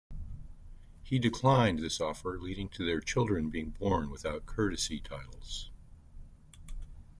He declined this offer leading to their children being born without courtesy titles.